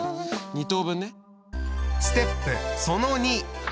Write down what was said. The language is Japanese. ２等分ね。